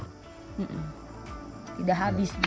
tidak habis gitu ya